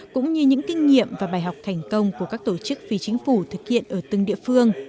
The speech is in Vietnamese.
cũng như những kinh nghiệm và bài học thành công của các tổ chức phi chính phủ thực hiện ở từng địa phương